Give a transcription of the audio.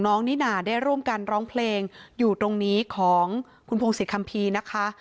นิน่าได้ร่วมกันร้องเพลงอยู่ตรงนี้ของคุณพงศิษคัมภีร์นะคะ